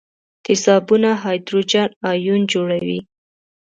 تیزابونه هایدروجن ایون جوړوي.